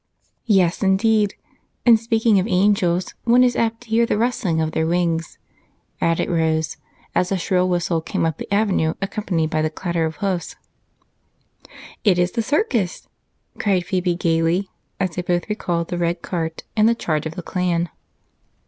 "Yes, indeed, and speaking of angels, one is apt to hear the rustling of their wings," added Rose, as a shrill whistle came up the avenue accompanied by the clatter of hoofs. "It is the circus!" cried Phebe gaily as they both recalled the red cart and the charge of the clan.